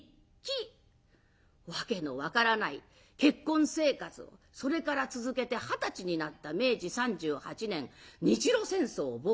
訳の分からない結婚生活をそれから続けて二十歳になった明治３８年日露戦争勃発。